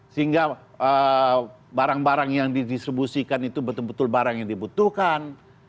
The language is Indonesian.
sehingga barang barang yang didistribusikan itu betul betul barang yang dibutuhkan